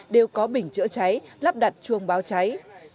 đều có bình chữa cháy lắp đặt chuồng bao cháy